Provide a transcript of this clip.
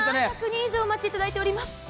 １００人以上お待ちいただいております。